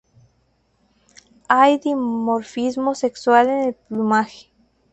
Hay dimorfismo sexual en el plumaje.